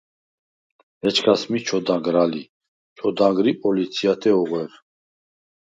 ეჩქას მი ჩოდაგრ ალი, ჩოდაგრ ი პოლიციათე ოღუ̂ერ.